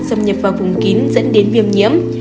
xâm nhập vào vùng kín dẫn đến viêm nhiễm